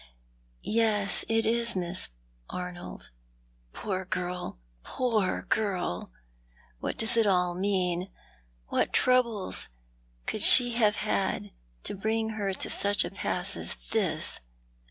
" Yes, it is Miss Arnold. Poor girl, poor girl ! What does it all mean ? What troubles could she have had to bring her to such a pass as this?